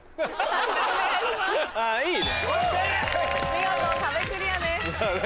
見事壁クリアです。